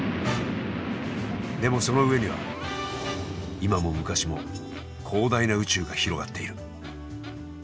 でもその上には今も昔も広大な宇宙が広がっている。